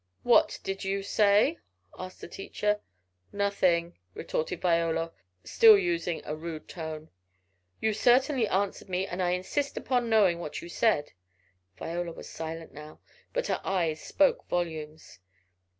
"What did you say?" asked the teacher. "Nothing," retorted Viola, still using a rude tone. "You certainly answered me, and I insist upon knowing what you said." Viola was silent now, but her eyes spoke volumes.